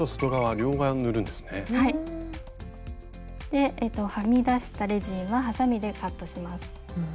ではみ出したレジンははさみでカットします。